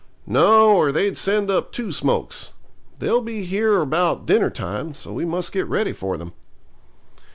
'No, or they'd send up two smokes. They'll be here about dinner time, so we must get ready for them.'